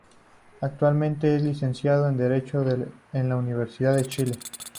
Actualmente es licenciado en derecho en la Universidad de Chile.